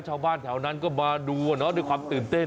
ชาวบ้านแถวนั้นก็มาดูด้วยความตื่นเต้น